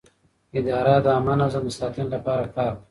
اداره د عامه نظم د ساتنې لپاره کار کوي.